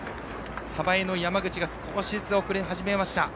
鯖江の山口が少しずつ遅れ始めました。